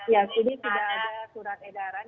ya kini sudah ada surat edaran